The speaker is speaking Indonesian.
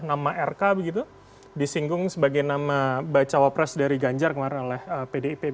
nama rk begitu disinggung sebagai nama bacawa pres dari ganjar kemarin oleh pdip